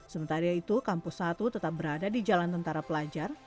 sementara itu kampus satu tetap berada di jalan tentara pelajar